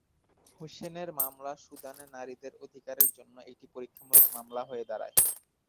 হুসেনের মামলা সুদানে নারীদের অধিকারের জন্য একটি পরীক্ষামূলক মামলা হয়ে দাঁড়ায়।